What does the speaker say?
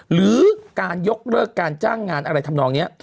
หรือการยกเลิกการจ้างงานอะไรทำนองนี้